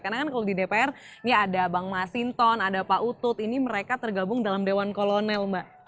karena kan kalau di dpr ya ada bang masinton ada pak utut ini mereka tergabung dalam dewan kolonel mbak